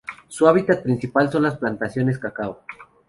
Su hábitat principal son las plantaciones cacao.